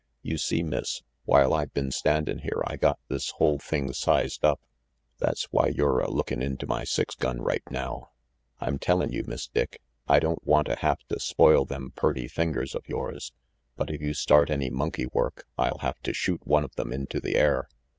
"You see, Miss, while I been standin' here I got this whole thing sized up. That's why you're a lookin' into my six gun right now. I'm tellin' you, Miss Dick, I don't wanta hafta spoil them purty fingers of yours, but if you start any monkey work I'll have to shoot one of them into the air.